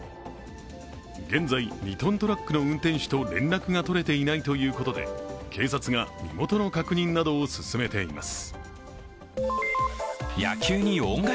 現在、２ｔトラックの運転手と連絡が取れていないということで警察が身元の確認などを進めています。